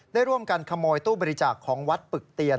ได้ร่วมกันขโมยตู้บริจาคของวัดปึกเตียน